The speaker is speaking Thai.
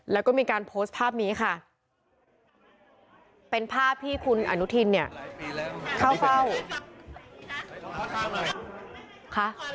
แล้วก็มีการโพสต์ภาพนี้ค่ะเป็นภาพที่คุณอนุทินเนี่ยเข้าเฝ้าค่ะ